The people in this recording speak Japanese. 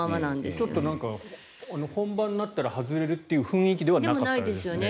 ちょっと本番になったら外れるという雰囲気ではなかったですね。